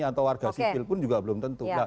atau warga sipil pun juga belum tentu